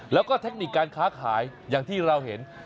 แล้วก็เทคนิคการค้าขายอย่างที่เราเห็น